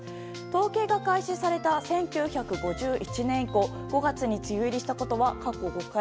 統計が開始された１９５１年以降５月に梅雨入りしたことは過去５回。